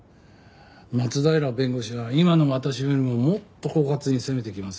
松平弁護士は今の私よりももっと狡猾に攻めてきますよ。